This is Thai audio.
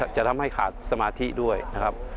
จะทำให้ขาดสมาธิด้วยนะครับ